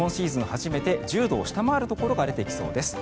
初めて１０度を下回るところが出てきそうです。